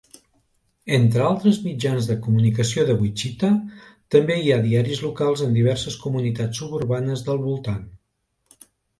Entre altres mitjans de comunicació de Wichita, també hi ha diaris locals en diverses comunitats suburbanes del voltant.